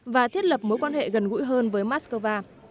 và thiết lập mối quan hệ gần gũi hơn với moscow